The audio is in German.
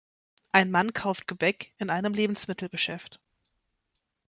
Ein Mann kauft Gebäck in einem Lebensmittelgeschäft.